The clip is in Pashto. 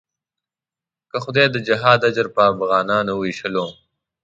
که خدای د جهاد اجر پر افغانانو وېشلو.